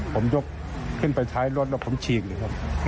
ผมยกขึ้นไปท้ายรถแล้วผมฉีกเลยครับ